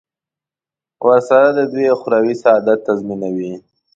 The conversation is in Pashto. ورسره د دوی اخروي سعادت تضمینوي.